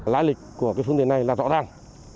lãi lịch của phương tiện này là rõ ràng